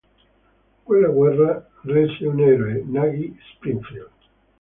Quella guerra rese un eroe Nagi Springfield.